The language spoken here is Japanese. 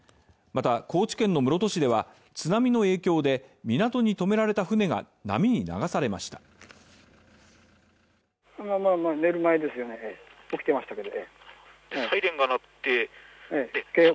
また、高知県の室戸市では津波の影響で、港にとめられた船が波に流されました。